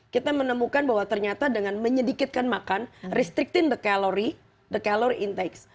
kita menemukan bahwa ternyata dengan menyedikitkan makan restriktin the calorie the calorie intake